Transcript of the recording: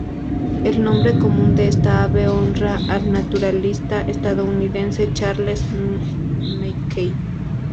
El nombre común de esta ave honra al naturalista estadounidense Charles McKay.